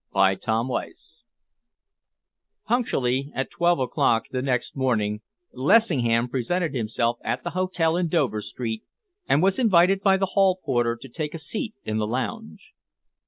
CHAPTER XVII Punctually at 12 o'clock the next morning, Lessingham presented himself at the hotel in Dover Street and was invited by the hall porter to take a seat in the lounge.